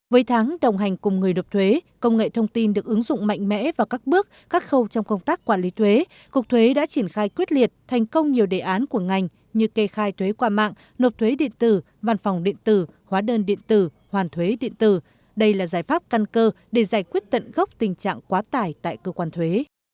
với tháng đồng hành cùng người nộp thuế công nghệ thông tin được ứng dụng mạnh mẽ vào các bước các khâu trong công tác quản lý thuế cục thuế đã triển khai quyết liệt thành công nhiều đề án của ngành như kê khai thuế qua mạng nộp thuế điện tử văn phòng điện tử hóa đơn điện tử hoàn thuế điện tử đây là giải pháp căn cơ để giải quyết tận gốc tình trạng quá tải tại cơ quan thuế